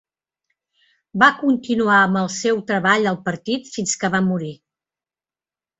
Va continuar amb el seu treball al Partit fins que va morir.